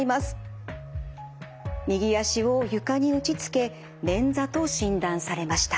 右足を床に打ちつけ捻挫と診断されました。